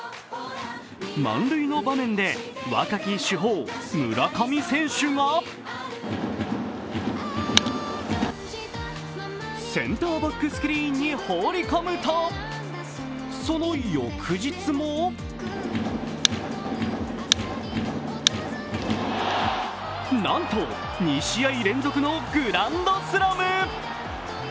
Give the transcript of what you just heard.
満塁の場面で若き主砲・村上選手がセンターバックスクリーンに放り込むと、その翌日もなんと２試合連続のグランドスラム。